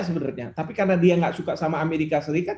sebenarnya tapi karena dia nggak suka sama amerika serikat